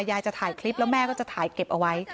ยายจะถ่ายคลิปแล้วแม่ก็จะถ่ายเก็บเอาไว้